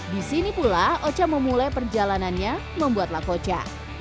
di sini pula ocha memulai perjalanannya membuat lakocha